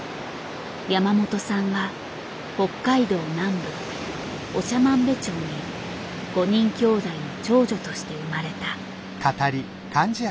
山本さんは北海道南部長万部町に５人きょうだいの長女として生まれた。